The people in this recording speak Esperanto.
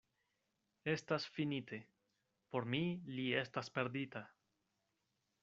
Estas finite: por mi li estas perdita!